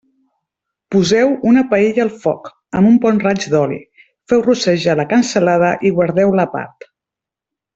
Poseu una paella al foc, amb un bon raig d'oli, feu rossejar la cansalada i guardeu-la a part.